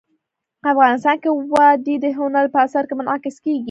افغانستان کې وادي د هنر په اثار کې منعکس کېږي.